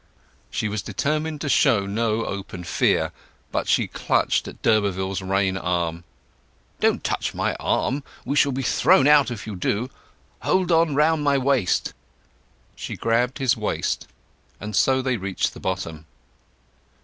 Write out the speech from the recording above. She was determined to show no open fear, but she clutched d'Urberville's rein arm. "Don't touch my arm! We shall be thrown out if you do! Hold on round my waist!" She grasped his waist, and so they reached the bottom.